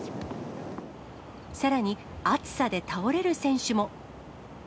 さらに暑さで倒れる選手も。